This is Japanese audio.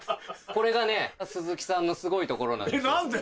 これがね、鈴木さんのすごいところなんですなんで？